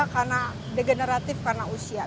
karena degeneratif karena usia